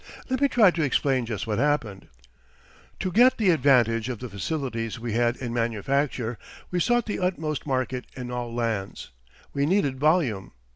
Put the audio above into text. Let me try to explain just what happened. To get the advantage of the facilities we had in manufacture, we sought the utmost market in all lands we needed volume.